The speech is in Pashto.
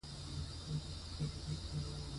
افغانستان کې طبیعي زیرمې د خلکو د خوښې وړ ځای دی.